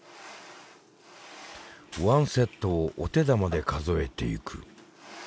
ワンセットをお手玉で数えていく。